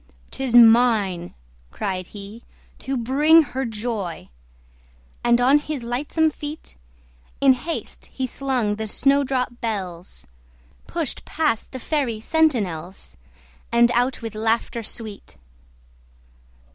"'Tis mine," cried he, "to bring her joy!" And on his lightsome feet In haste he slung the snowdrop bells, Pushed past the Fairy sentinels, And out with laughter sweet.